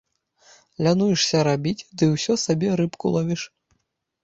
Лянуешся рабіць, ды ўсё сабе рыбку ловіш.